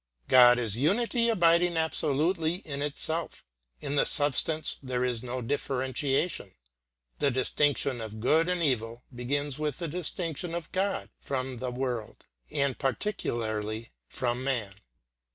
God is unity abiding absolutely in itself. In the substance there is no differentiation. The distinction of good and evil begins with the distinction of God from the world, and particularly from man.